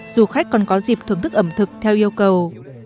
du khách còn có dịp thưởng thức ẩm thực theo yêu cầu